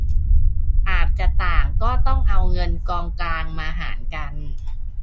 อาจจะต่างก็ต้องเอาเงินกองกลางมาหารกัน